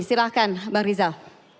silahkan bang rizal